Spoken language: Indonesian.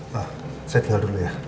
wah saya tinggal dulu ya